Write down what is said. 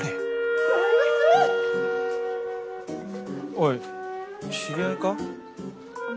おい知り合いか？